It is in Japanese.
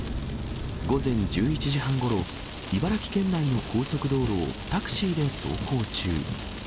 午前１１時半ごろ、茨城県内の高速道路をタクシーで走行中。